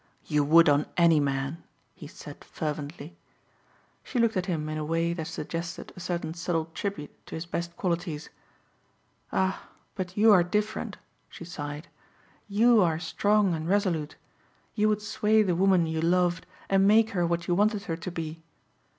"You would on any man," he said fervently. She looked at him in a way that suggested a certain subtle tribute to his best qualities. "Ah, but you are different," she sighed, "you are strong and resolute. You would sway the woman you loved and make her what you wanted her to be.